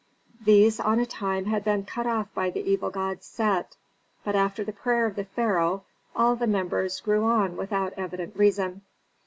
These on a time had been cut off by the evil god Set; but after the prayer of the pharaoh all the members grew on without evident reason.